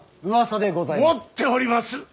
うわさでございます。